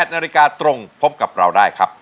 ๘นาฬิกาตรงพบกับเราได้ครับ